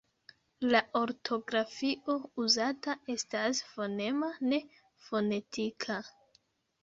La ortografio uzata estas fonema, ne fonetika.